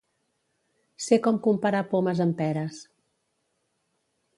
Ser com comparar pomes amb peres.